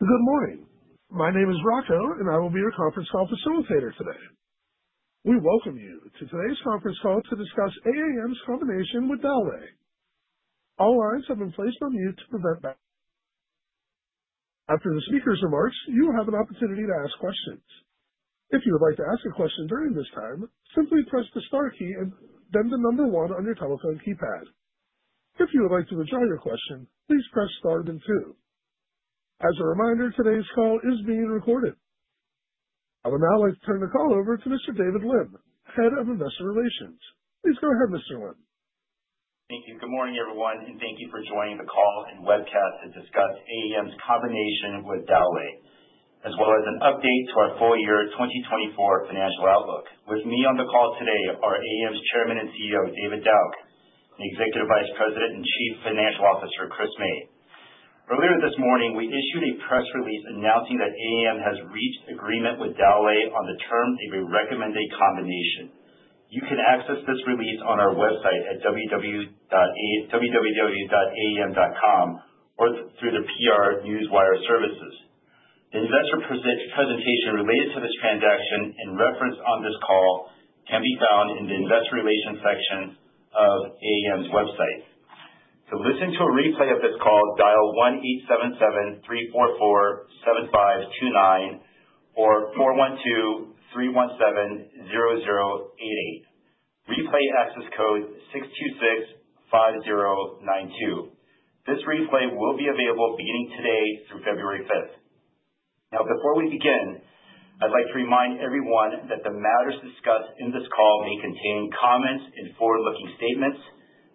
Good morning. My name is Rocco, and I will be your conference call facilitator today. We welcome you to today's conference call to discuss AAM's combination with Dowlais. All lines have been placed on mute to prevent back-up. After the speaker's remarks, you will have an opportunity to ask questions. If you would like to ask a question during this time, simply press the star key and then the number one on your telephone keypad. If you would like to withdraw your question, please press star then two. As a reminder, today's call is being recorded. I will now turn the call over to Mr. David Lim, Head of Investor Relations. Please go ahead, Mr. Lim. Thank you. Good morning, everyone, and thank you for joining the call and webcast to discuss AAM's combination with Dowlais, as well as an update to our full year 2024 financial outlook. With me on the call today are AAM's Chairman and CEO, David Dauch, and Executive Vice President and Chief Financial Officer, Chris May. Earlier this morning, we issued a press release announcing that AAM has reached agreement with Dowlais on the terms that they recommend a combination. You can access this release on our website at www.aam.com or through the PR Newswire services. The investor presentation related to this transaction and referenced on this call can be found in the investor relations section of AAM's website. To listen to a replay of this call, dial 1-877-344-7529 or 412-317-0088. Replay access code 6265092. This replay will be available beginning today through February 5th. Now, before we begin, I'd like to remind everyone that the matters discussed in this call may contain comments and forward-looking statements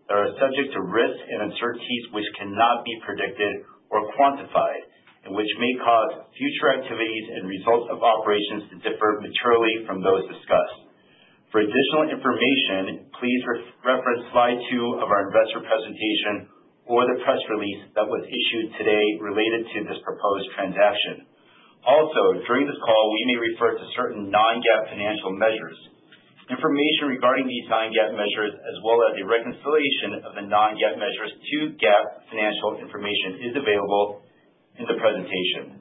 that are subject to risks and uncertainties which cannot be predicted or quantified, and which may cause future activities and results of operations to differ materially from those discussed. For additional information, please reference slide two of our investor presentation or the press release that was issued today related to this proposed transaction. Also, during this call, we may refer to certain non-GAAP financial measures. Information regarding these non-GAAP measures, as well as a reconciliation of the non-GAAP measures to GAAP financial information, is available in the presentation.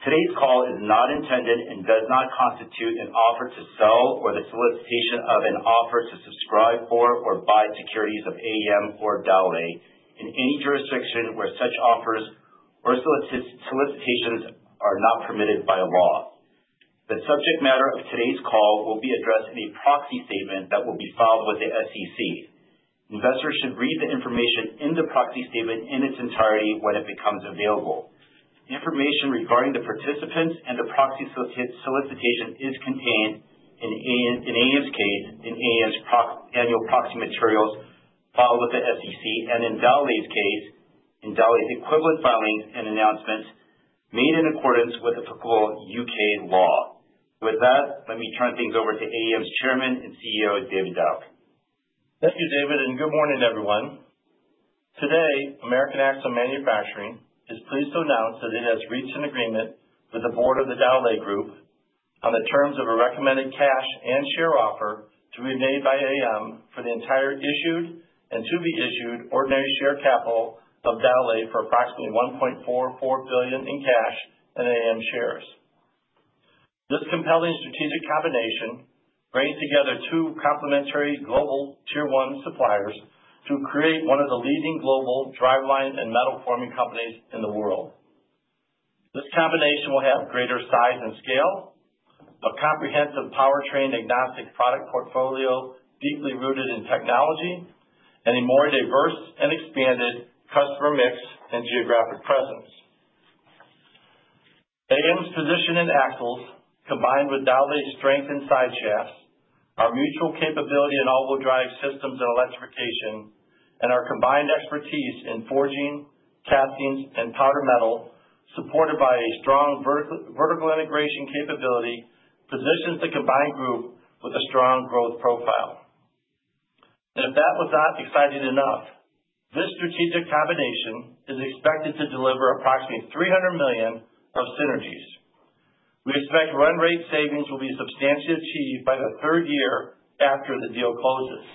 Today's call is not intended and does not constitute an offer to sell or the solicitation of an offer to subscribe for or buy securities of AAM or Dowlais in any jurisdiction where such offers or solicitations are not permitted by law. The subject matter of today's call will be addressed in a proxy statement that will be filed with the SEC. Investors should read the information in the proxy statement in its entirety when it becomes available. Information regarding the participants and the proxy solicitation is contained in AAM's case, in AAM's annual proxy materials filed with the SEC, and in Dowlais's case, in Dowlais's equivalent filings and announcements made in accordance with applicable UK law. With that, let me turn things over to AAM's Chairman and CEO, David Dauch. Thank you, David, and good morning, everyone. Today, American Axle & Manufacturing is pleased to announce that it has reached an agreement with the board of the Dowlais Group on the terms of a recommended cash and share offer to be made by AAM for the entire issued and to be issued ordinary share capital of Dowlais for approximately 1.44 billion in cash and AAM shares. This compelling strategic combination brings together two complementary global tier-one suppliers to create one of the leading global driveline and metal-forming companies in the world. This combination will have greater size and scale, a comprehensive powertrain agnostic product portfolio deeply rooted in technology, and a more diverse and expanded customer mix and geographic presence. AAM's position in axles, combined with Dowlais's strength in Sideshafts, our mutual capability in all-wheel drive systems and electrification, and our combined expertise in forging, castings, and powder metal, supported by a strong vertical integration capability, positions the combined group with a strong growth profile. If that was not exciting enough, this strategic combination is expected to deliver approximately $300 million of synergies. We expect run rate savings will be substantially achieved by the third year after the deal closes.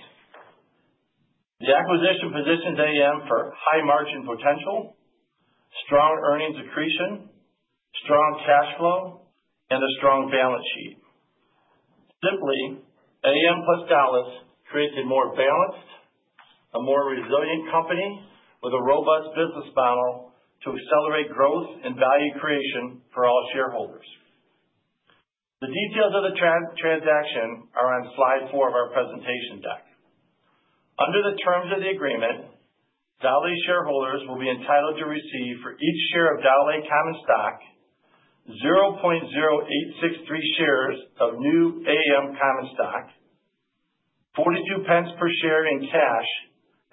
The acquisition positions AAM for high margin potential, strong earnings accretion, strong cash flow, and a strong balance sheet. Simply, AAM plus Dowlais creates a more balanced, a more resilient company with a robust business model to accelerate growth and value creation for all shareholders. The details of the transaction are on slide four of our presentation deck. Under the terms of the agreement, Dowlais shareholders will be entitled to receive for each share of Dowlais common stock, 0.0863 shares of new AAM common stock, GBP 0.42 per share in cash,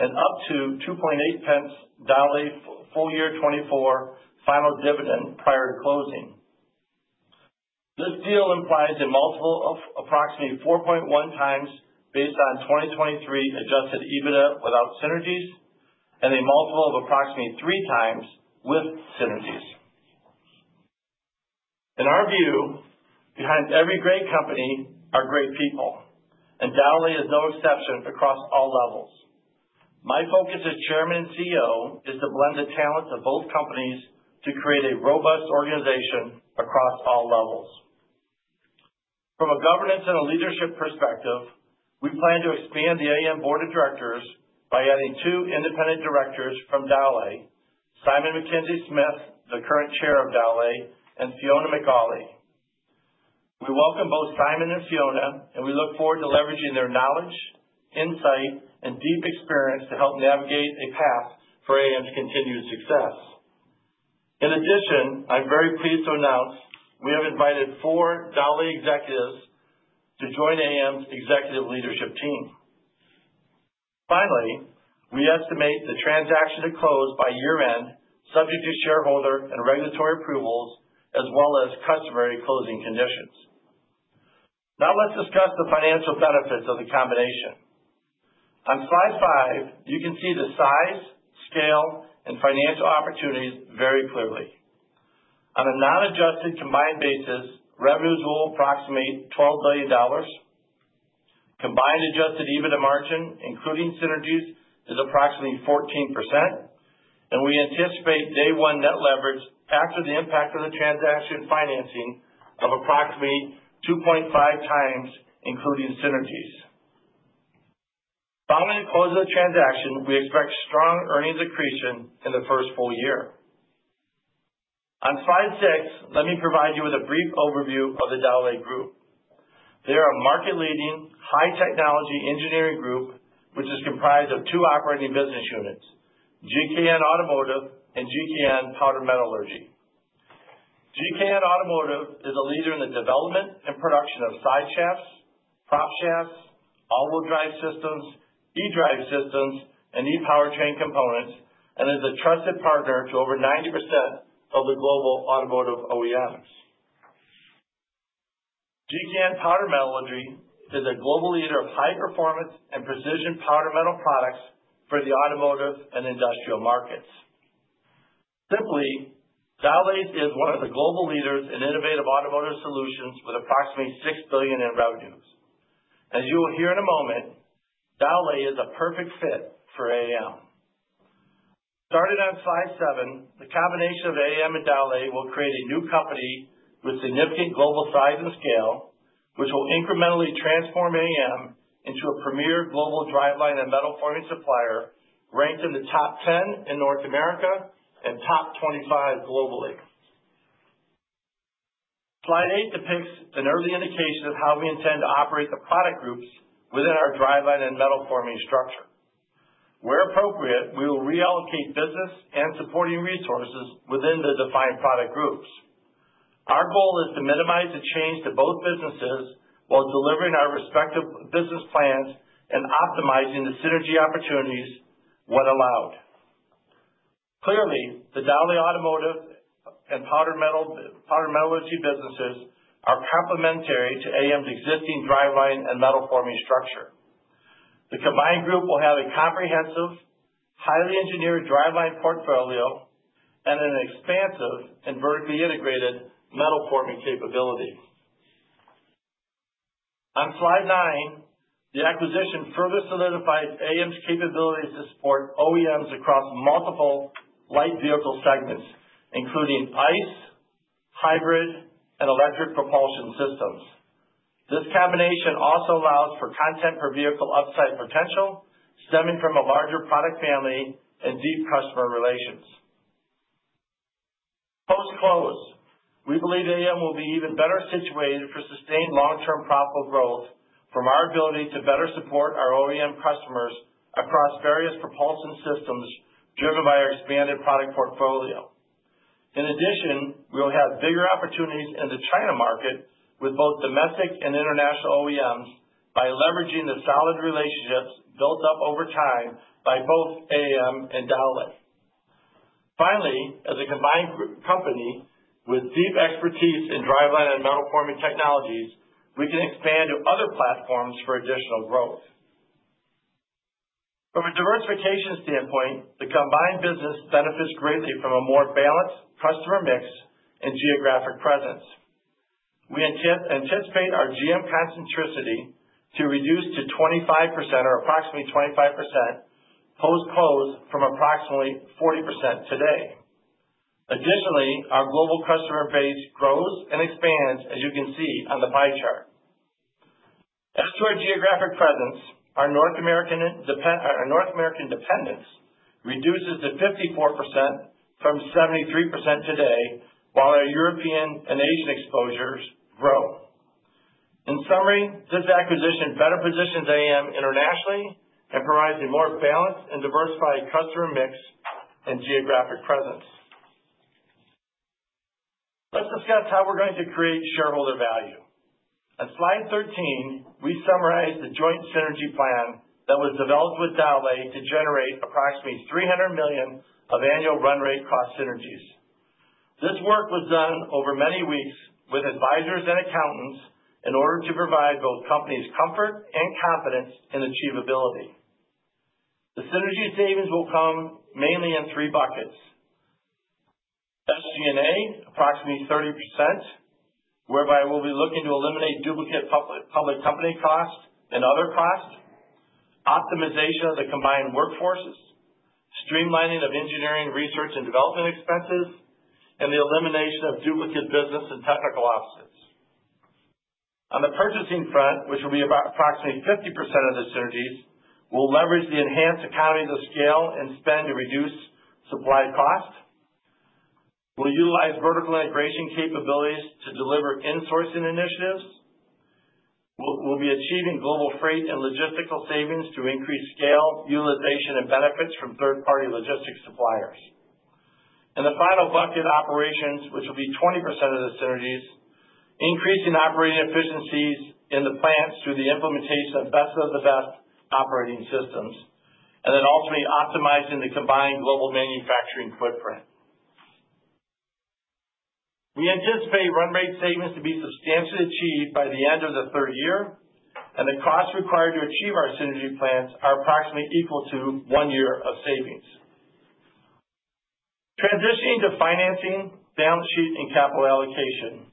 and up to 0.028 Dowlais full year 2024 final dividend prior to closing. This deal implies a multiple of approximately 4.1 times based on 2023 adjusted EBITDA without synergies, and a multiple of approximately three times with synergies. In our view, behind every great company are great people, and Dowlais is no exception across all levels. My focus as Chairman and CEO is to blend the talents of both companies to create a robust organization across all levels. From a governance and a leadership perspective, we plan to expand the AAM board of directors by adding two independent directors from Dowlais, Simon Mackenzie Smith, the current chair of Dowlais, and Fiona MacAulay. We welcome both Simon and Fiona, and we look forward to leveraging their knowledge, insight, and deep experience to help navigate a path for AAM's continued success. In addition, I'm very pleased to announce we have invited four Dowlais executives to join AAM's executive leadership team. Finally, we estimate the transaction to close by year-end, subject to shareholder and regulatory approvals, as well as customary closing conditions. Now let's discuss the financial benefits of the combination. On slide five, you can see the size, scale, and financial opportunities very clearly. On a non-adjusted combined basis, revenues will approximate $12 billion. Combined adjusted EBITDA margin, including synergies, is approximately 14%, and we anticipate day-one net leverage after the impact of the transaction financing of approximately 2.5 times, including synergies. Following the close of the transaction, we expect strong earnings accretion in the first full year. On slide six, let me provide you with a brief overview of the Dowlais Group. They are a market-leading high-technology engineering group, which is comprised of two operating business units, GKN Automotive and GKN Powder Metallurgy. GKN Automotive is a leader in the development and production of side shafts, Propshafts, all-wheel drive systems, eDrive systems, and ePowertrain components, and is a trusted partner to over 90% of the global automotive OEMs. GKN Powder Metallurgy is a global leader of high-performance and precision powder metal products for the automotive and industrial markets. Simply, Dowlais is one of the global leaders in innovative automotive solutions with approximately six billion in revenues. As you will hear in a moment, Dowlais is a perfect fit for AAM. Starting on slide seven, the combination of AAM and Dowlais will create a new company with significant global size and scale, which will incrementally transform AAM into a premier global driveline and metal-forming supplier ranked in the top 10 in North America and top 25 globally. Slide eight depicts an early indication of how we intend to operate the product groups within our driveline and metal-forming structure. Where appropriate, we will reallocate business and supporting resources within the defined product groups. Our goal is to minimize the change to both businesses while delivering our respective business plans and optimizing the synergy opportunities when allowed. Clearly, the Dowlais automotive and powder metallurgy businesses are complementary to AAM's existing driveline and metal-forming structure. The combined group will have a comprehensive, highly engineered driveline portfolio and an expansive and vertically integrated metal-forming capability. On slide nine, the acquisition further solidifies AAM's capabilities to support OEMs across multiple light vehicle segments, including ICE, hybrid, and electric propulsion systems. This combination also allows for content-per-vehicle upside potential stemming from a larger product family and deep customer relations. Post-close, we believe AAM will be even better situated for sustained long-term profitable growth from our ability to better support our OEM customers across various propulsion systems driven by our expanded product portfolio. In addition, we will have bigger opportunities in the China market with both domestic and international OEMs by leveraging the solid relationships built up over time by both AAM and Dowlais. Finally, as a combined company with deep expertise in driveline and metal-forming technologies, we can expand to other platforms for additional growth. From a diversification standpoint, the combined business benefits greatly from a more balanced customer mix and geographic presence. We anticipate our GM concentricity to reduce to 25% or approximately 25% post-close from approximately 40% today. Additionally, our global customer base grows and expands, as you can see on the pie chart. As to our geographic presence, our North American dependence reduces to 54% from 73% today, while our European and Asian exposures grow. In summary, this acquisition better positions AAM internationally and provides a more balanced and diversified customer mix and geographic presence. Let's discuss how we're going to create shareholder value. On slide 13, we summarize the joint synergy plan that was developed with Dowlais to generate approximately $300 million of annual run rate cost synergies. This work was done over many weeks with advisors and accountants in order to provide both companies comfort and confidence in achievability. The synergy savings will come mainly in three buckets: SG&A, approximately 30%, whereby we'll be looking to eliminate duplicate public company costs and other costs. Optimization of the combined workforces. Streamlining of engineering, research, and development expenses. And the elimination of duplicate business and technical offices. On the purchasing front, which will be about approximately 50% of the synergies, we'll leverage the enhanced economies of scale and spend to reduce supply costs. We'll utilize vertical integration capabilities to deliver insourcing initiatives. We'll be achieving global freight and logistical savings to increase scale, utilization, and benefits from third-party logistics suppliers. And the final bucket, operations, which will be 20% of the synergies, increasing operating efficiencies in the plants through the implementation of best of the best operating systems, and then ultimately optimizing the combined global manufacturing footprint. We anticipate run rate savings to be substantially achieved by the end of the third year, and the cost required to achieve our synergy plans are approximately equal to one year of savings. Transitioning to financing, balance sheet, and capital allocation,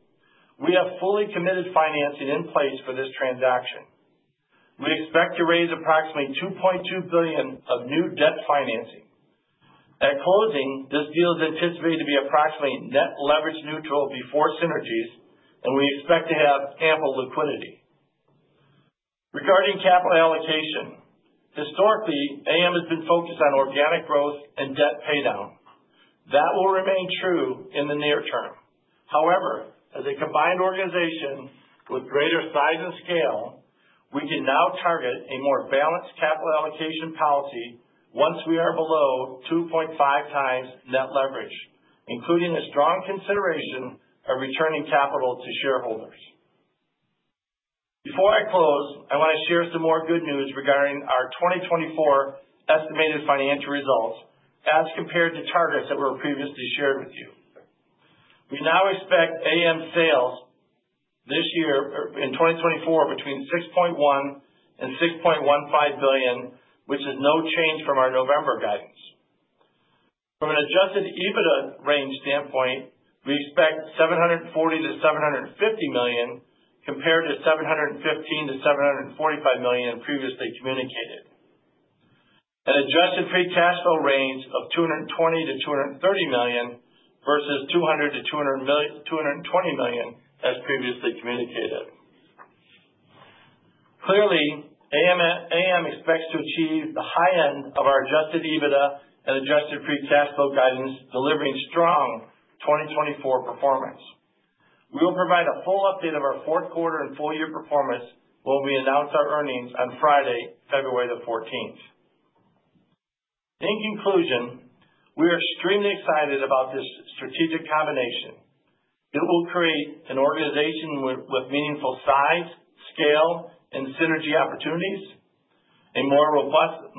we have fully committed financing in place for this transaction. We expect to raise approximately $2.2 billion of new debt financing. At closing, this deal is anticipated to be approximately net leverage neutral before synergies, and we expect to have ample liquidity. Regarding capital allocation, historically, AAM has been focused on organic growth and debt paydown. That will remain true in the near term. However, as a combined organization with greater size and scale, we can now target a more balanced capital allocation policy once we are below 2.5 times net leverage, including a strong consideration of returning capital to shareholders. Before I close, I want to share some more good news regarding our 2024 estimated financial results as compared to targets that were previously shared with you. We now expect AAM sales this year in 2024 between $6.1 billion-$6.15 billion, which is no change from our November guidance. From an adjusted EBITDA range standpoint, we expect $740 million-$750 million compared to $715 million-$745 million previously communicated, an adjusted free cash flow range of $220 million-$230 million versus $200 million-$220 million as previously communicated. Clearly, AAM expects to achieve the high end of our adjusted EBITDA and adjusted free cash flow guidance, delivering strong 2024 performance. We will provide a full update of our Q4 and full year performance when we announce our earnings on Friday, February the 14th. In conclusion, we are extremely excited about this strategic combination. It will create an organization with meaningful size, scale, and synergy opportunities, a more robust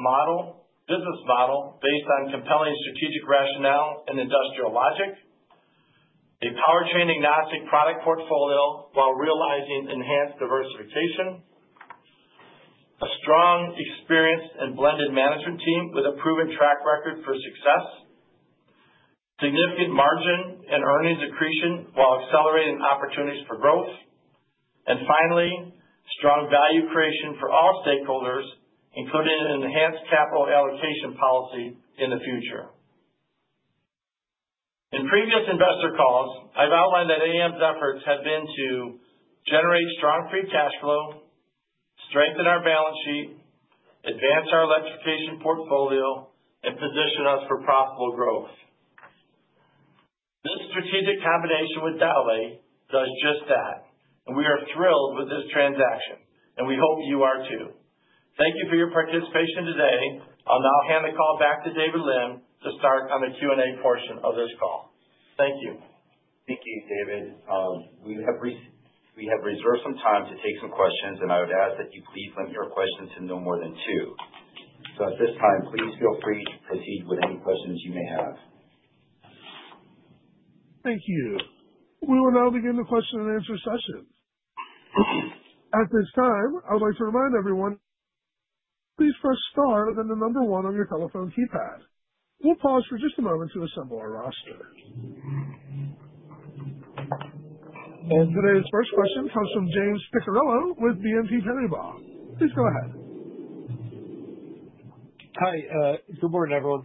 business model based on compelling strategic rationale and industrial logic, a powertrain agnostic product portfolio while realizing enhanced diversification, a strong, experienced, and blended management team with a proven track record for success, significant margin and earnings accretion while accelerating opportunities for growth, and finally, strong value creation for all stakeholders, including an enhanced capital allocation policy in the future. In previous investor calls, I've outlined that AAM's efforts have been to generate strong free cash flow, strengthen our balance sheet, advance our electrification portfolio, and position us for profitable growth. This strategic combination with Dowlais does just that, and we are thrilled with this transaction, and we hope you are too. Thank you for your participation today. I'll now hand the call back to David Lim to start on the Q&A portion of this call. Thank you. Thank you, David. We have reserved some time to take some questions, and I would ask that you please limit your questions to no more than two, so at this time, please feel free to proceed with any questions you may have. Thank you. We will now begin the question and answer session. At this time, I would like to remind everyone, please press star and then the number one on your telephone keypad. We'll pause for just a moment to assemble our roster, and today's first question comes from James Picariello with BNP Paribas. Please go ahead. Hi. Good morning, everyone.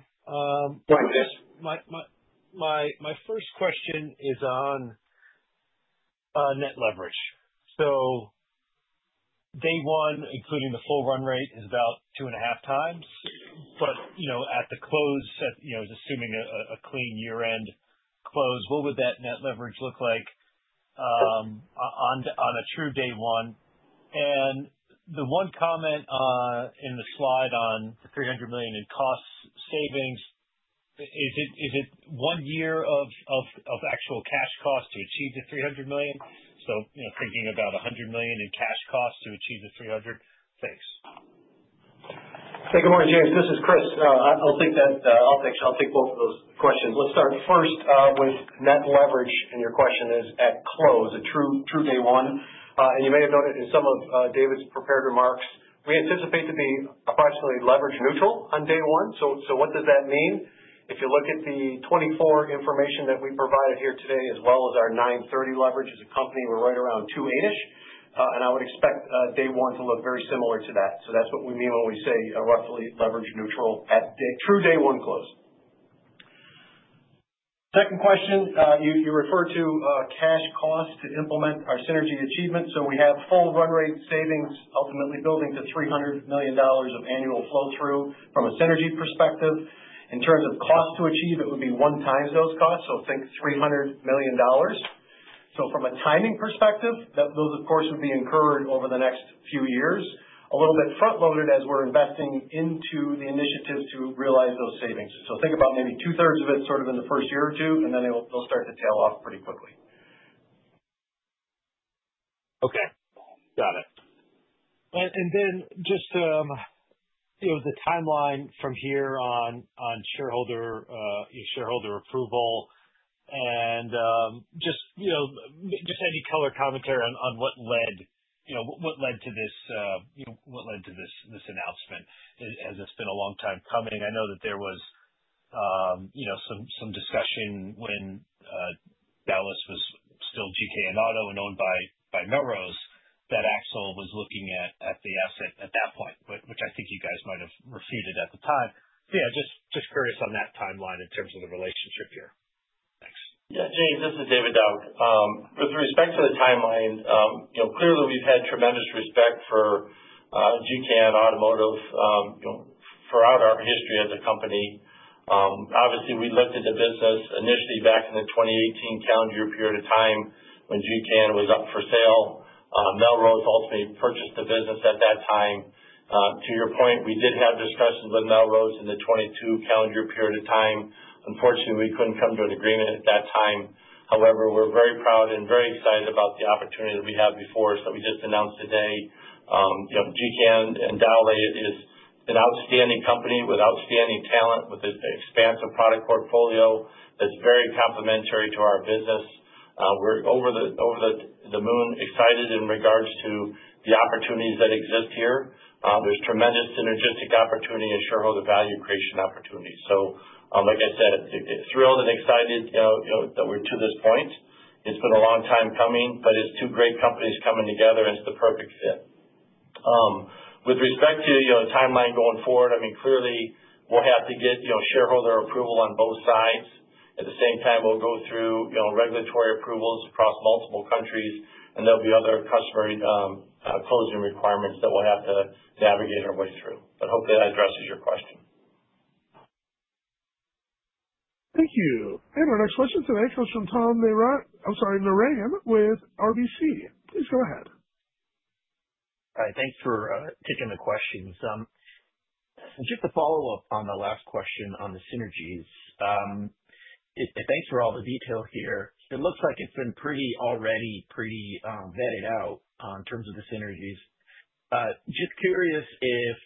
My first question is on net leverage. So day one, including the full run rate, is about two and a half times. But at the close, assuming a clean year-end close, what would that net leverage look like on a true day one? And the one comment in the slide on the $300 million in cost savings, is it one year of actual cash cost to achieve the $300 million? So thinking about $100 million in cash cost to achieve the $300 million. Thanks. Hey, good morning, James. This is Chris. I'll take both of those questions. Let's start first with net leverage, and your question is at close, a true day one. And you may have noted in some of David's prepared remarks, we anticipate to be approximately leverage neutral on day one. So what does that mean? If you look at the 2024 information that we provided here today, as well as our 9/30 leverage, as a company, we're right around 28-ish. I would expect day one to look very similar to that. That's what we mean when we say roughly leverage neutral at true day one close. Second question, you referred to cash cost to implement our synergy achievement. We have full run rate savings, ultimately building to $300 million of annual flow-through from a synergy perspective. In terms of cost to achieve, it would be one time those costs, so think $300 million. From a timing perspective, those, of course, would be incurred over the next few years, a little bit front-loaded as we're investing into the initiative to realize those savings. Think about maybe two-thirds of it sort of in the first year or two, and then they'll start to tail off pretty quickly. Okay. Got it. Then just the timeline from here on shareholder approval and just any color commentary on what led to this, what led to this announcement, as it's been a long time coming. I know that there was some discussion when Dowlais was still GKN Automotive and owned by Melrose that Axle was looking at the asset at that point, which I think you guys might have refuted at the time. So yeah, just curious on that timeline in terms of the relationship here. Thanks. Yeah. James, this is David Dauch. With respect to the timeline, clearly, we've had tremendous respect for GKN Automotive throughout our history as a company. Obviously, we looked at the business initially back in the 2018 calendar year period of time when GKN was up for sale. Melrose ultimately purchased the business at that time. To your point, we did have discussions with Melrose in the 2022 calendar year period of time. Unfortunately, we couldn't come to an agreement at that time. However, we're very proud and very excited about the opportunity that we had before that we just announced today. GKN and Dowlais is an outstanding company with outstanding talent, with an expansive product portfolio that's very complementary to our business. We're over the moon excited in regards to the opportunities that exist here. There's tremendous synergistic opportunity and shareholder value creation opportunity. So like I said, thrilled and excited that we're to this point. It's been a long time coming, but it's two great companies coming together, and it's the perfect fit. With respect to timeline going forward, I mean, clearly, we'll have to get shareholder approval on both sides. At the same time, we'll go through regulatory approvals across multiple countries, and there'll be other customer closing requirements that we'll have to navigate our way through. But hopefully, that addresses your question. Thank you. And our next question today comes from Tom Narayan with RBC. Please go ahead. All right. Thanks for taking the questions. Just a follow-up on the last question on the synergies. Thanks for all the detail here. It looks like it's been already pretty vetted out in terms of the synergies. Just curious if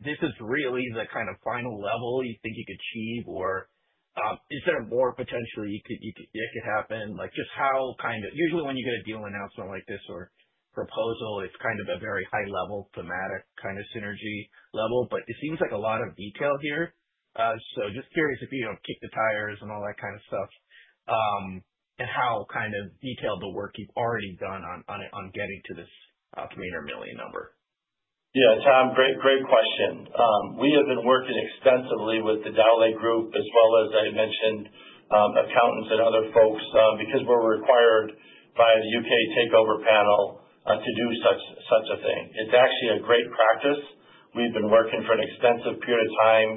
this is really the kind of final level you think you could achieve, or is there more potentially it could happen? Just how kind of usually when you get a deal announcement like this or proposal, it's kind of a very high-level thematic kind of synergy level, but it seems like a lot of detail here. So just curious if you kick the tires and all that kind of stuff and how kind of detailed the work you've already done on getting to this 300 million number? Yeah. Tom, great question. We have been working extensively with the Dowlais Group, as well as, as I mentioned, accountants and other folks because we're required by the U.K. Takeover Panel to do such a thing. It's actually a great practice. We've been working for an extensive period of time,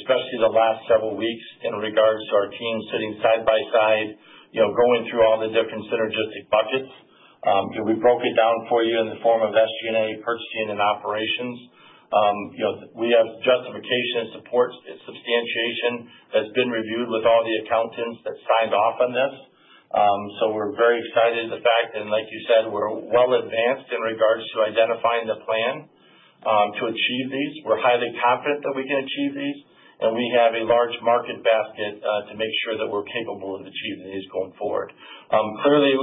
especially the last several weeks, in regards to our team sitting side by side, going through all the different synergistic buckets. We broke it down for you in the form of SG&A, purchasing and operations. We have justification and support and substantiation that's been reviewed with all the accountants that signed off on this. So we're very excited of the fact. And like you said, we're well advanced in regards to identifying the plan to achieve these. We're highly confident that we can achieve these, and we have a large market basket to make sure that we're capable of achieving these going forward. Clearly,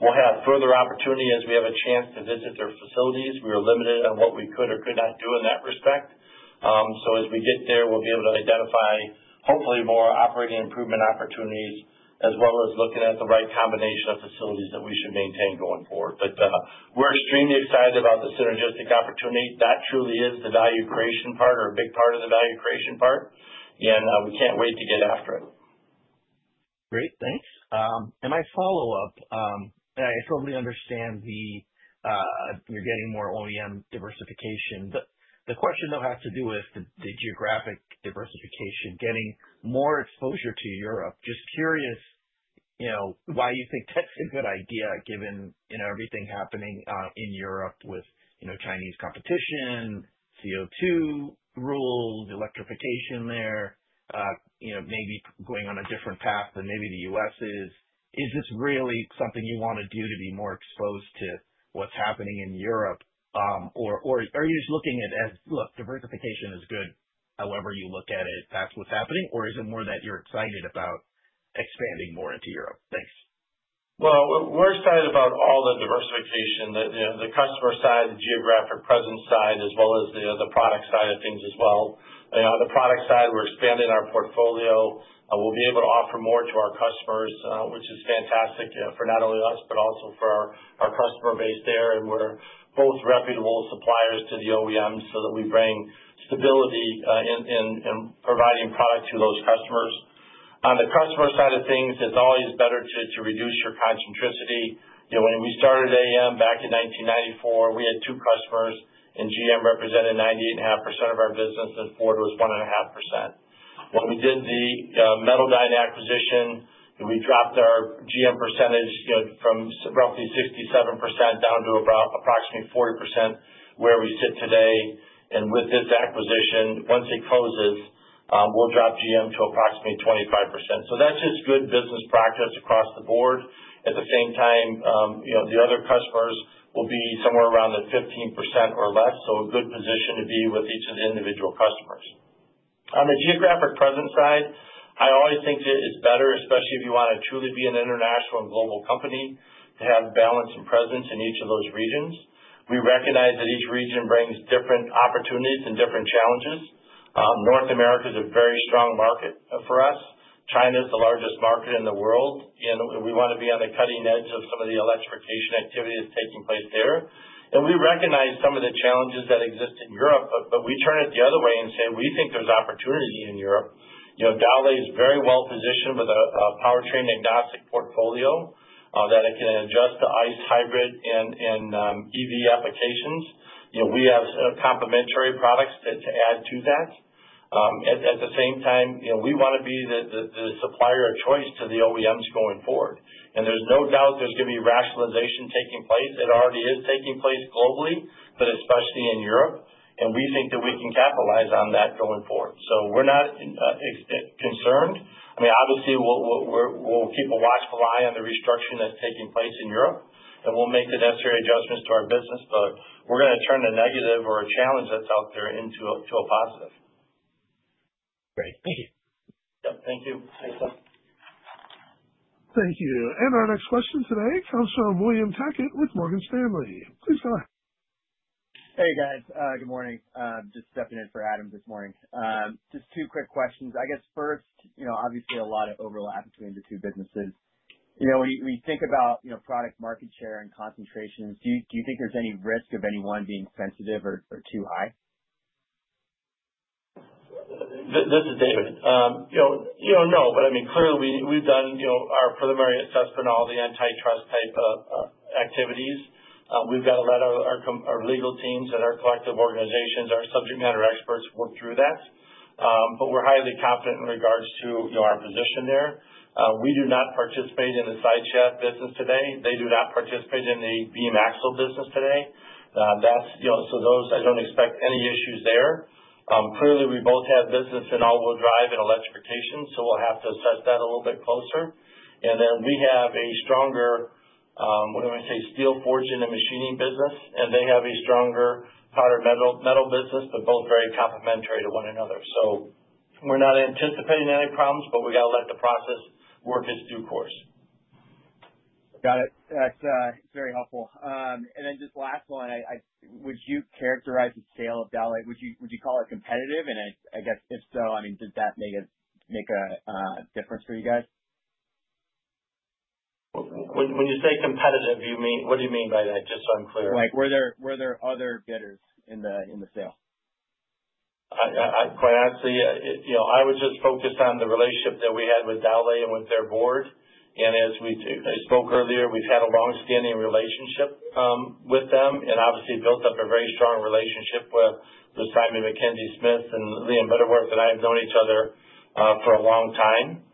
we'll have further opportunity as we have a chance to visit their facilities. We were limited on what we could or could not do in that respect. So as we get there, we'll be able to identify, hopefully, more operating improvement opportunities, as well as looking at the right combination of facilities that we should maintain going forward. But we're extremely excited about the synergistic opportunity. That truly is the value creation part or a big part of the value creation part, and we can't wait to get after it. Great. Thanks. And my follow-up, I totally understand you're getting more OEM diversification. The question, though, has to do with the geographic diversification, getting more exposure to Europe. Just curious why you think that's a good idea given everything happening in Europe with Chinese competition, CO2 rules, electrification there, maybe going on a different path than maybe the U.S. is. Is this really something you want to do to be more exposed to what's happening in Europe, or are you just looking at, "Look, diversification is good, however you look at it, that's what's happening," or is it more that you're excited about expanding more into Europe? Thanks. Well, we're excited about all the diversification, the customer side, the geographic presence side, as well as the product side of things as well. On the product side, we're expanding our portfolio. We'll be able to offer more to our customers, which is fantastic for not only us, but also for our customer base there. We're both reputable suppliers to the OEMs so that we bring stability in providing product to those customers. On the customer side of things, it's always better to reduce your concentricity. When we started AAM back in 1994, we had two customers, and GM represented 98.5% of our business, and Ford was 1.5%. When we did the Metaldyne acquisition, we dropped our GM percentage from roughly 67% down to approximately 40% where we sit today. With this acquisition, once it closes, we'll drop GM to approximately 25%. So that's just good business practice across the board. At the same time, the other customers will be somewhere around the 15% or less, so a good position to be with each of the individual customers. On the geographic presence side, I always think it's better, especially if you want to truly be an international and global company, to have balance and presence in each of those regions. We recognize that each region brings different opportunities and different challenges. North America is a very strong market for us. China is the largest market in the world, and we want to be on the cutting edge of some of the electrification activity that's taking place there. And we recognize some of the challenges that exist in Europe, but we turn it the other way and say we think there's opportunity in Europe. Dowlais is very well positioned with a powertrain agnostic portfolio that it can adjust to ICE, hybrid, and EV applications. We have complementary products to add to that. At the same time, we want to be the supplier of choice to the OEMs going forward. There's no doubt there's going to be rationalization taking place. It already is taking place globally, but especially in Europe. We think that we can capitalize on that going forward. We're not concerned. I mean, obviously, we'll keep a watchful eye on the restructuring that's taking place in Europe, and we'll make the necessary adjustments to our business, but we're going to turn a negative or a challenge that's out there into a positive. Great. Thank you. Yep. Thank you. Thanks, Tom. Thank you. Our next question today comes from William Tackett with Morgan Stanley. Please go ahead. Hey, guys. Good morning. Just stepping in for Adam this morning. Just two quick questions. I guess first, obviously, a lot of overlap between the two businesses. When you think about product market share and concentrations, do you think there's any risk of any one being sensitive or too high? This is David. No, but I mean, clearly, we've done our preliminary assessment, all the antitrust type activities. We've got to let our legal teams and our collective organizations, our subject matter experts work through that. But we're highly confident in regards to our position there. We do not participate in the side shaft business today. They do not participate in the beam axle business today. So those, I don't expect any issues there. Clearly, we both have business in all-wheel drive and electrification, so we'll have to assess that a little bit closer, and then we have a stronger, what do I say, steel forging and machining business, and they have a stronger powder metal business, but both very complementary to one another. So we're not anticipating any problems, but we got to let the process work its due course. Got it. That's very helpful. And then just last one, would you characterize the sale of Dowlais? Would you call it competitive? And I guess if so, I mean, does that make a difference for you guys? When you say competitive, what do you mean by that? Just so I'm clear. Were there other bidders in the sale? Quite honestly, I would just focus on the relationship that we had with Dowlais and with their board. And as I spoke earlier, we've had a long-standing relationship with them and obviously built up a very strong relationship with Simon Mackenzie Smith and Liam Butterworth, and I have known each other for a long time.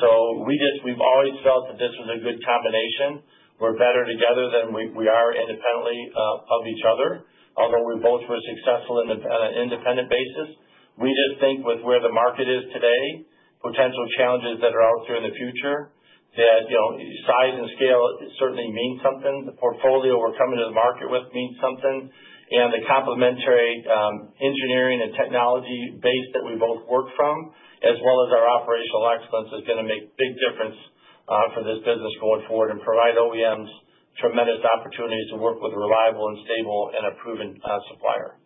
So we've always felt that this was a good combination. We're better together than we are independently of each other, although we both were successful on an independent basis. We just think with where the market is today, potential challenges that are out there in the future, that size and scale certainly mean something. The portfolio we're coming to the market with means something, and the complementary engineering and technology base that we both work from, as well as our operational excellence, is going to make a big difference for this business going forward and provide OEMs tremendous opportunities to work with a reliable and stable and a proven supplier.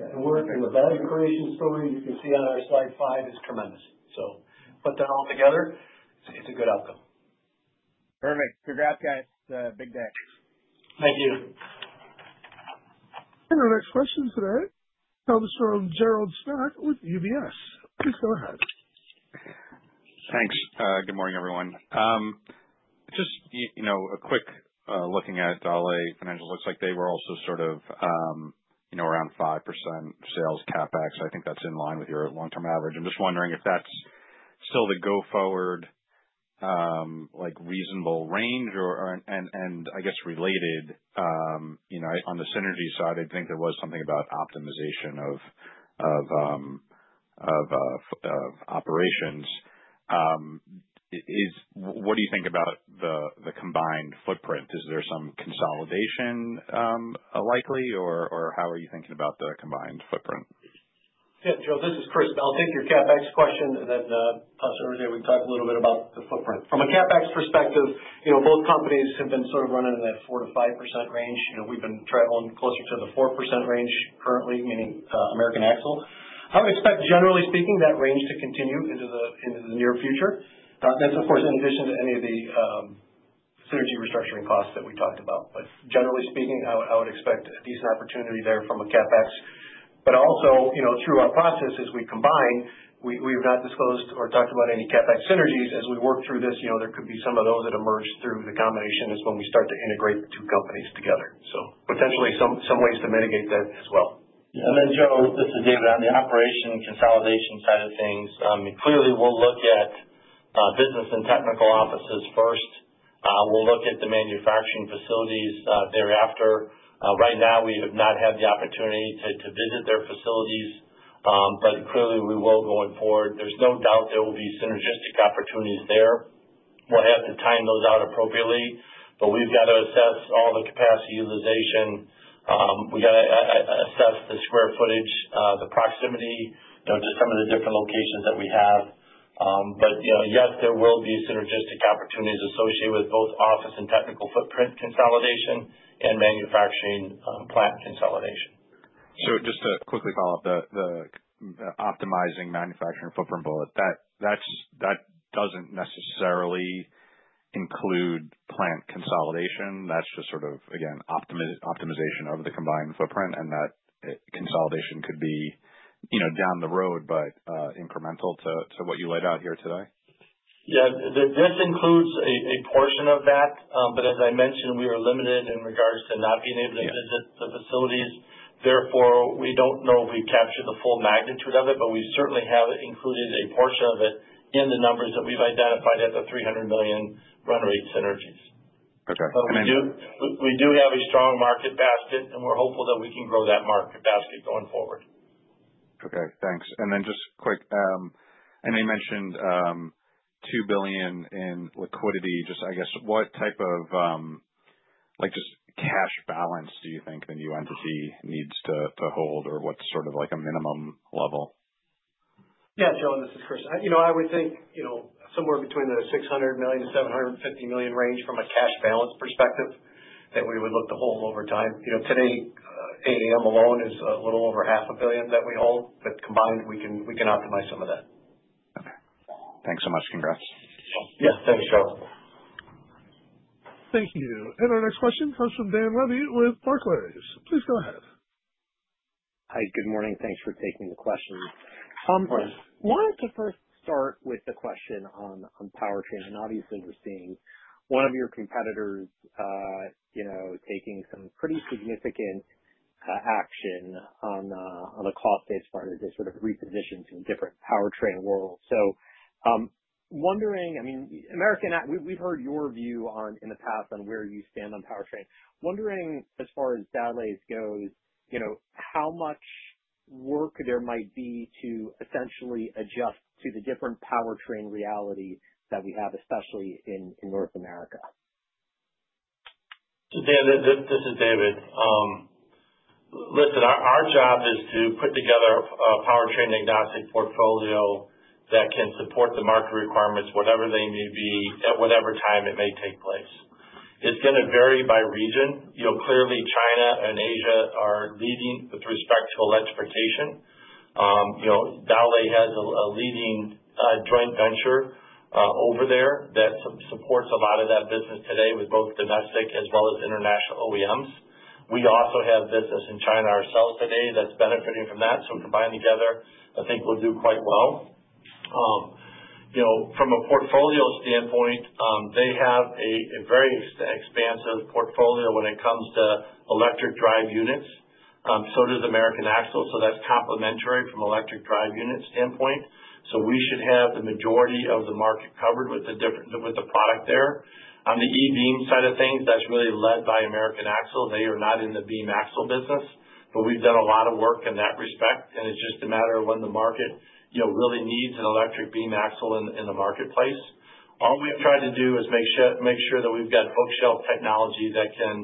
And we're in the value creation story. You can see on our slide five is tremendous. So put that all together, it's a good outcome. Perfect. Congrats, guys. Big thanks. Thank you. And our next question today comes from Gerald Schreck with UBS. Please go ahead. Thanks. Good morning, everyone. Just a quick look at Dowlais financials, looks like they were also sort of around 5% of sales capex back. So I think that's in line with your long-term average. I'm just wondering if that's still the go-forward reasonable range and, I guess, related. On the synergy side, I think there was something about optimization of operations. What do you think about the combined footprint? Is there some consolidation likely, or how are you thinking about the combined footprint? Yeah. Gerald, this is Chris. I'll take your capex question, and then we can talk a little bit about the footprint. From a capex perspective, both companies have been sort of running in that 4%-5% range. We've been trailing closer to the 4% range currently, meaning American Axle. I would expect, generally speaking, that range to continue into the near future. That’s, of course, in addition to any of the synergy restructuring costs that we talked about. But generally speaking, I would expect a decent opportunity there from a CapEx. But also, through our processes, we combine. We have not disclosed or talked about any CapEx synergies. As we work through this, there could be some of those that emerge through the combination as when we start to integrate the two companies together. So potentially some ways to mitigate that as well. And then, Gerald, this is David. On the operational consolidation side of things, clearly, we’ll look at business and technical offices first. We’ll look at the manufacturing facilities thereafter. Right now, we have not had the opportunity to visit their facilities, but clearly, we will going forward. There’s no doubt there will be synergistic opportunities there. We'll have to time those out appropriately, but we've got to assess all the capacity utilization. We got to assess the square footage, the proximity to some of the different locations that we have. But yes, there will be synergistic opportunities associated with both office and technical footprint consolidation and manufacturing plant consolidation. So just to quickly follow up, the optimizing manufacturing footprint bullet, that doesn't necessarily include plant consolidation. That's just sort of, again, optimization of the combined footprint, and that consolidation could be down the road, but incremental to what you laid out here today. Yeah. This includes a portion of that. But as I mentioned, we are limited in regards to not being able to visit the facilities. Therefore, we don't know if we've captured the full magnitude of it, but we certainly have included a portion of it in the numbers that we've identified at the $300 million run rate synergies. But we do have a strong market basket, and we're hopeful that we can grow that market basket going forward. Okay. Thanks. And then just quick, I know you mentioned $2 billion in liquidity. Just, I guess, what type of just cash balance do you think the new entity needs to hold, or what's sort of like a minimum level? Yeah. Gerald, this is Chris. I would think somewhere between the $600 million-$750 million range from a cash balance perspective that we would look to hold over time. Today, AAM alone is a little over $500 million that we hold, but combined, we can optimize some of that. Okay. Thanks so much. Congrats. Yeah. Thanks, Gerald. Thank you. And our next question comes from Dan Levy with Barclays. Please go ahead. Hi. Good morning. Thanks for taking the question. Wanted to first start with the question on powertrain. And obviously, we're seeing one of your competitors taking some pretty significant action on the cost-based part of this sort of repositioning to a different powertrain world. So I mean, we've heard your view in the past on where you stand on powertrain. Wondering, as far as Dowlais goes, how much work there might be to essentially adjust to the different powertrain reality that we have, especially in North America? This is David. Listen, our job is to put together a powertrain agnostic portfolio that can support the market requirements, whatever they may be, at whatever time it may take place. It's going to vary by region. Clearly, China and Asia are leading with respect to electrification. Dowlais has a leading joint venture over there that supports a lot of that business today with both domestic as well as international OEMs. We also have business in China ourselves today that's benefiting from that. So combined together, I think we'll do quite well. From a portfolio standpoint, they have a very expansive portfolio when it comes to electric drive units. So does American Axle. So that's complementary from an electric drive unit standpoint. So we should have the majority of the market covered with the product there. On the e-Beam side of things, that's really led by American Axle. They are not in the beam axle business, but we've done a lot of work in that respect. And it's just a matter of when the market really needs an electric beam axle in the marketplace. All we've tried to do is make sure that we've got bookshelf technology that can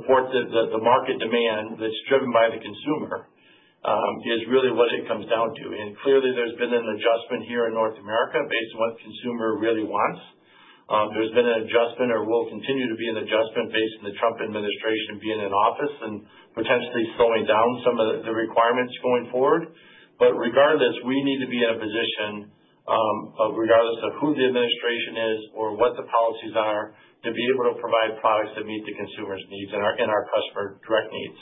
support the market demand that's driven by the consumer, is really what it comes down to, and clearly, there's been an adjustment here in North America based on what the consumer really wants. There's been an adjustment, or will continue to be an adjustment, based on the Trump administration being in office and potentially slowing down some of the requirements going forward, but regardless, we need to be in a position, regardless of who the administration is or what the policies are, to be able to provide products that meet the consumer's needs and our customers' direct needs.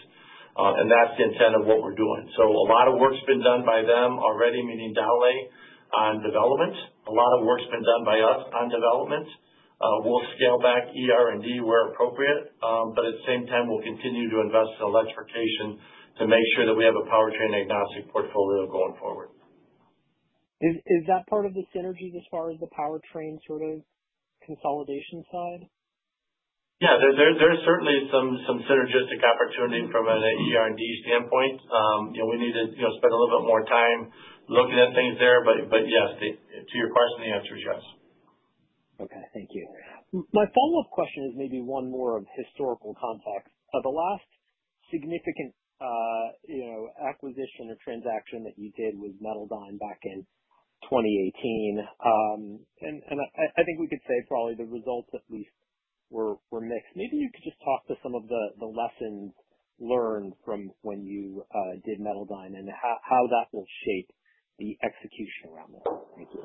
That's the intent of what we're doing, so a lot of work's been done by them already, meaning Dowlais, on development. A lot of work's been done by us on development. We'll scale back ER&D where appropriate, but at the same time, we'll continue to invest in electrification to make sure that we have a powertrain agnostic portfolio going forward. Is that part of the synergy as far as the powertrain sort of consolidation side? Yeah. There's certainly some synergistic opportunity from an ER&D standpoint. We need to spend a little bit more time looking at things there. But yes, to your question, the answer is yes. Okay. Thank you. My follow-up question is maybe one more of historical context. The last significant acquisition or transaction that you did was Metaldyne back in 2018. And I think we could say probably the results at least were mixed. Maybe you could just talk to some of the lessons learned from when you did Metaldyne and how that will shape the execution around this. Thank you.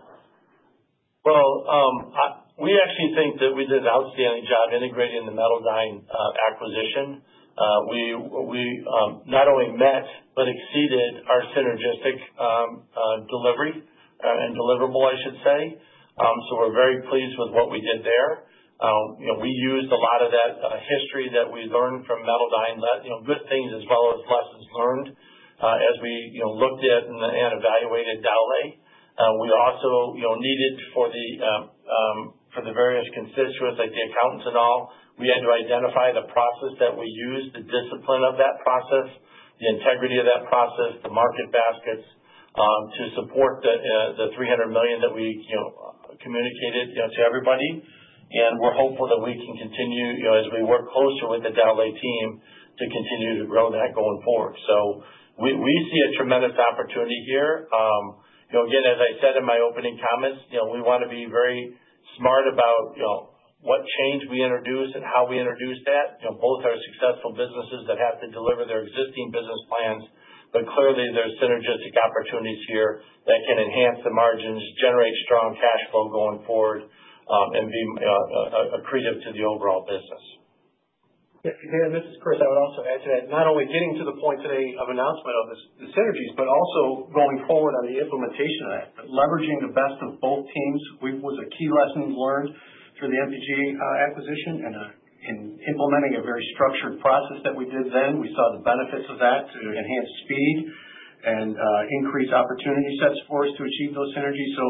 We actually think that we did an outstanding job integrating the Metaldyne acquisition. We not only met but exceeded our synergistic delivery and deliverable, I should say. We're very pleased with what we did there. We used a lot of that history that we learned from Metaldyne, good things as well as lessons learned as we looked at and evaluated Dowlais. We also needed for the various constituents, like the accountants and all, we had to identify the process that we used, the discipline of that process, the integrity of that process, the market baskets to support the $300 million that we communicated to everybody. We're hopeful that we can continue as we work closer with the Dowlais team to continue to grow that going forward. We see a tremendous opportunity here. Again, as I said in my opening comments, we want to be very smart about what change we introduce and how we introduce that. Both are successful businesses that have to deliver their existing business plans, but clearly, there are synergistic opportunities here that can enhance the margins, generate strong cash flow going forward, and be accretive to the overall business. Yeah. And this is Chris. I would also add to that, not only getting to the point today of announcement of the synergies, but also going forward on the implementation of that, leveraging the best of both teams was a key lesson learned through the MPG acquisition and in implementing a very structured process that we did then. We saw the benefits of that to enhance speed and increase opportunity sets for us to achieve those synergies. So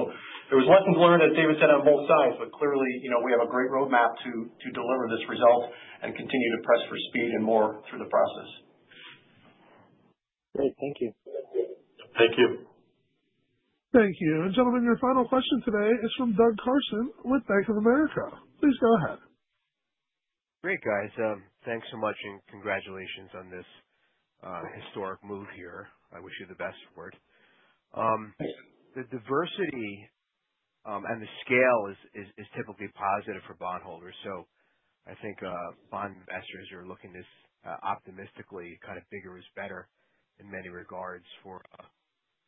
there was lessons learned, as David said, on both sides, but clearly, we have a great roadmap to deliver this result and continue to press for speed and more through the process. Great. Thank you. Thank you. Thank you. And gentlemen, your final question today is from Doug Carson with Bank of America. Please go ahead. Great, guys. Thanks so much, and congratulations on this historic move here. I wish you the best for it. The diversity and the scale is typically positive for bondholders. So I think bond investors are looking optimistically, kind of bigger is better in many regards for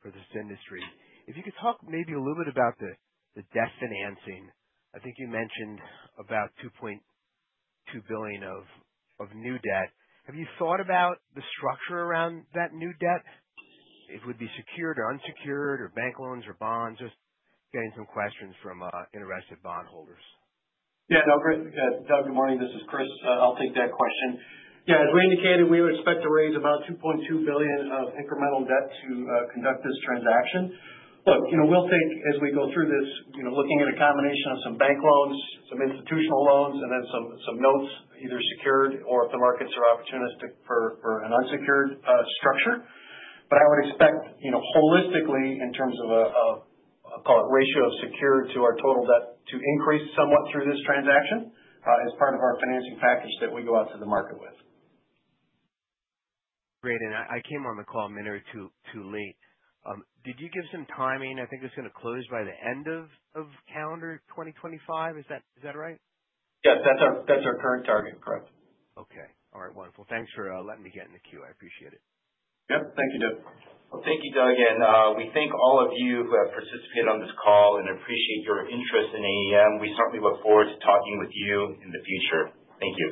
this industry. If you could talk maybe a little bit about the debt financing. I think you mentioned about $2.2 billion of new debt. Have you thought about the structure around that new debt? It would be secured or unsecured or bank loans or bonds? Just getting some questions from interested bondholders. Yeah. Doug, good morning. This is Chris. I'll take that question. Yeah. As we indicated, we would expect to raise about $2.2 billion of incremental debt to conduct this transaction. Look, we'll take, as we go through this, looking at a combination of some bank loans, some institutional loans, and then some notes, either secured or if the markets are opportunistic for an unsecured structure. But I would expect holistically, in terms of a, I'll call it, ratio of secured to our total debt to increase somewhat through this transaction as part of our financing package that we go out to the market with. Great. And I came on the call a minute or two late. Did you give some timing? I think it's going to close by the end of calendar 2025. Is that right? Yes. That's our current target. Correct. Okay. All right. Wonderful. Thanks for letting me get in the queue. I appreciate it. Yep. Thank you, Dick. Well, thank you, Doug. And we thank all of you who have participated on this call and appreciate your interest in AAM. We certainly look forward to talking with you in the future. Thank you.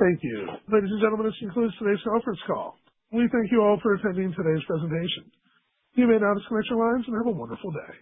Thank you. Ladies and gentlemen, this concludes today's conference call. We thank you all for attending today's presentation. You may now disconnect your lines and have a wonderful day.